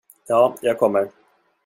Ja, jag kommer.